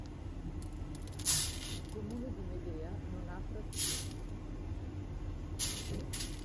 Il comune di Medea non ha frazioni.